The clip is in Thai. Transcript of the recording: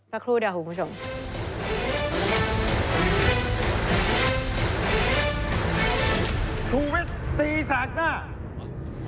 ก็คลูดอย่างหูคุณผู้ชม